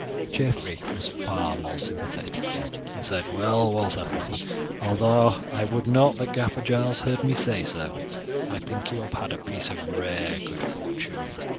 Geoffrey was far more sympathetic, and said "Well, Walter, although I would not that Gaffer Giles heard me say so, I think you have had a piece of rare good fortune.